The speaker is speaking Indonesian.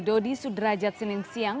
dodi sudrajat senin siang